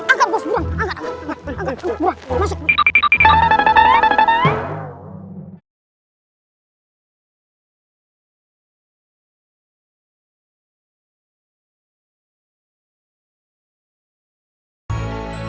angkat bos buruan